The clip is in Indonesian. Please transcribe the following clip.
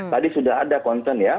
tadi sudah ada konten ya